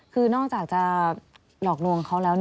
คือนอกจากจะหลอกลวงเขาแล้ว